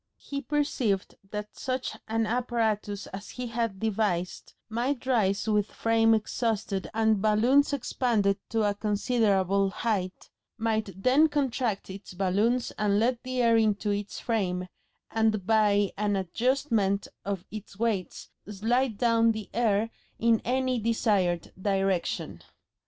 He perceived that such an apparatus as he had devised might rise with frame exhausted and balloons expanded to a considerable height, might then contract its balloons and let the air into its frame, and by an adjustment of its weights slide down the air in any desired direction.